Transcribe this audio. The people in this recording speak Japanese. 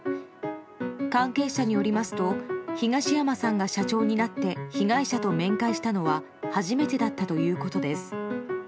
関係者によりますと、東山さんが社長になって被害者と面会したのは初めてだったということです。